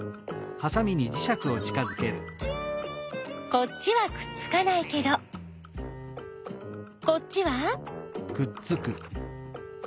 こっちはくっつかないけどこっちは？